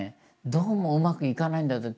どうもうまくいかないんだって。